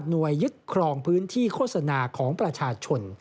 ยึดครองพื้นที่โฆษณาของประชาชน